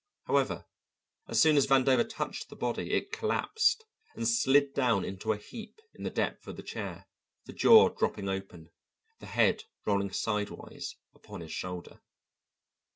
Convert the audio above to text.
However, as soon as Vandover touched the body it collapsed and slid down into a heap in the depth of the chair, the jaw dropping open, the head rolling sidewise upon his shoulder.